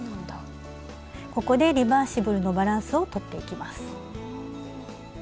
ここでリバーシブルのバランスをとっていきます。